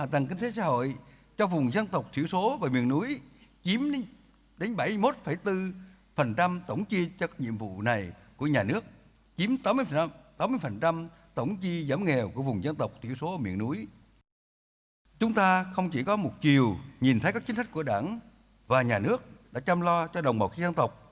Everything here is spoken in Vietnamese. đồng bào của đảng và nhà nước đã chăm lo cho đồng bào các dân tộc